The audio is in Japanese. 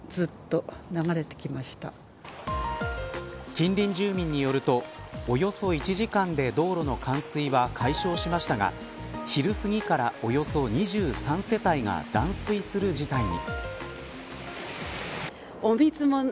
近隣住民によるとおよそ１時間で道路の冠水は解消しましたが昼すぎからおよそ２３世帯が断水する事態に。